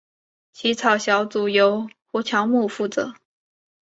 起草小组由胡乔木负责。